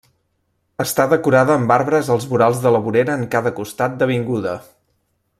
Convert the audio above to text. Està decorada amb arbres als vorals de la vorera en cada costat d'avinguda.